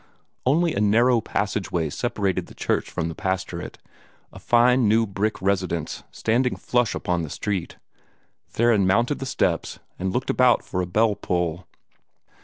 Only a narrow passage way separated the church from the pastorate a fine new brick residence standing flush upon the street. Theron mounted the steps, and looked about for a bell pull.